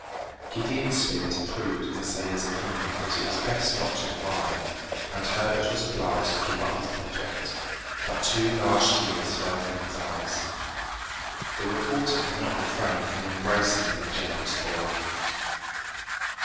Gideon Spilett approved of the sailor's opinion that it was best not to divide, and Herbert was obliged to give up his project; but two large tears fell from his eyes. The reporter could not refrain from embracing the generous boy.